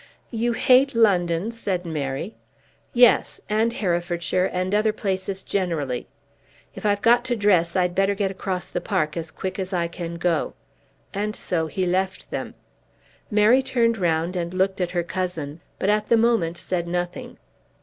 "You hate London!" said Mary. "Yes, and Herefordshire, and other places generally. If I've got to dress I'd better get across the park as quick as I can go," and so he left them. Mary turned round and looked at her cousin, but at the moment said nothing.